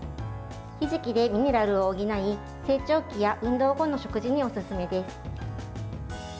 ひじきでミネラルを補い成長期や運動後の食事におすすめです。